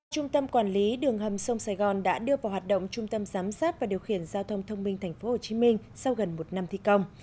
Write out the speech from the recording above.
trung tâm quản lý đường hầm sông sài gòn đã đưa vào hoạt động trung tâm giám sát và điều khiển giao thông thông minh tp hcm sau gần một năm thi công